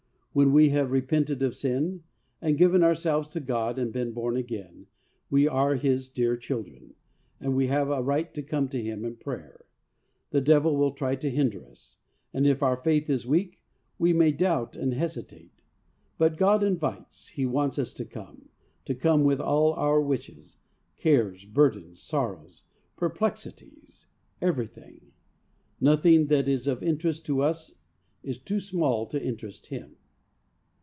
When we have repented of sin, and given ourselves to God, and been born again, we are His dear children, and we have a right to come to Him in prayer. The Devil will try to hinder us, and if our faith is weak, we may doubt and hesitate ; but God invites. He wants us to come, to come with all our wishes, cares, burdens, sorrows, perplexities, everything. Nothing that is of interest to HOLINESS AND PRAYER 85 us is too small to interest Him.